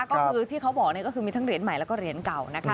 ก็คือที่เขาบอกมีทั้งเรียนใหม่แล้วก็เรียนเก่า